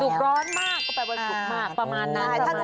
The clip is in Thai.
สุกร้อนมากก็แปลว่าสุกมากประมาณนั้น